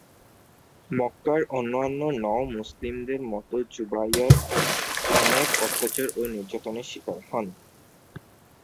মক্কার অন্যান্য নও মুসলিমদের মত যুবাইর অনেক অত্যাচার ও নির্যাতনের শিকার হন।